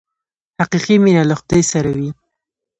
حقیقي مینه له خدای سره وي.